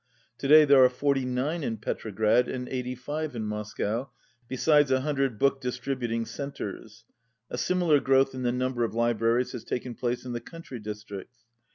To day there are 49 in Petrograd and 85 in Moscow, besides a hundred book distribut ing centres. A similar growth in the number of libraries has taken place in the country districts.